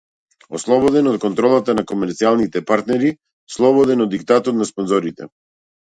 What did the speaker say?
Ослободен од контролата на комерцијалните партнери, слободен од диктатот на спонзорите.